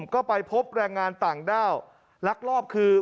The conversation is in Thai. ก็ไปพบแรงงานต่างด้าวลักลอบคือ